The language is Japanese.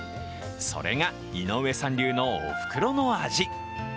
それが井上さん流のおふくろの味。